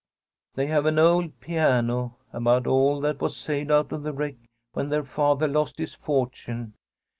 "They have an old piano, about all that was saved out of the wreck when their father lost his fortune.